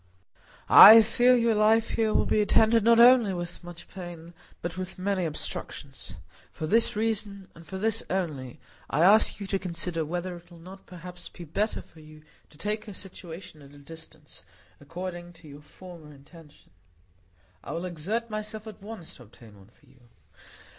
I fear your life here will be attended not only with much pain, but with many obstructions. For this reason—and for this only—I ask you to consider whether it will not perhaps be better for you to take a situation at a distance, according to your former intention. I will exert myself at once to obtain one for you."